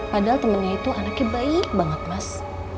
padahal temannya itu anaknya baik banget mas